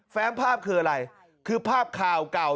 ้มภาพคืออะไรคือภาพข่าวเก่า